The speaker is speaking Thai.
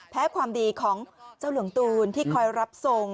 ความดีของเจ้าหลวงตูนที่คอยรับทรง